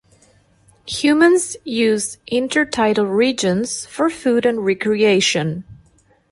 Humans use intertidal regions for food and recreation.